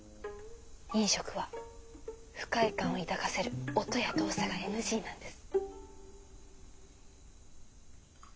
飲食は不快感を抱かせる音や動作がＮＧなんです。